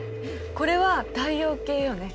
これは太陽系よね？